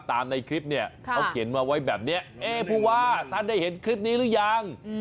ในคลิปเนี่ยเขาเขียนมาไว้แบบนี้เอ๊ผู้ว่าท่านได้เห็นคลิปนี้หรือยัง